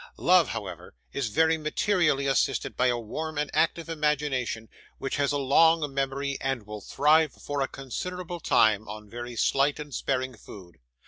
Love, however, is very materially assisted by a warm and active imagination: which has a long memory, and will thrive, for a considerable time, on very slight and sparing food.